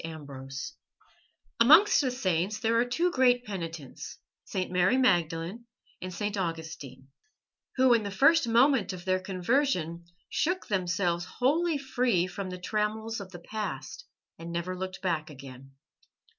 AMBROSE Amongst the saints there are two great penitents, St. Mary Magdalene and St. Augustine, who in the first moment of their conversion shook themselves wholly free from the trammels of the past and never looked back again.